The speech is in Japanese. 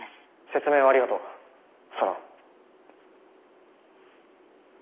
説明をありがとうソロン。